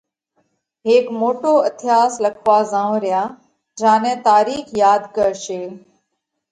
هيڪ موٽو اٿياس لکوا زائونھ ريا۔ جيا نئہ تارِيخ ياڌ ڪرشي۔